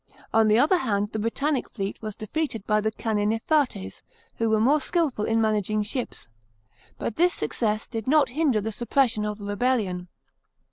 On the other hand the Britannic fleet was defeated by the Canninefates, who were more skilful in managing ships, but this success did not hinder the suppression of the rebellion.